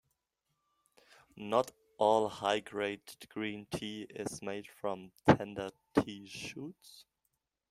Not all high grade green tea is made from tender tea shoots.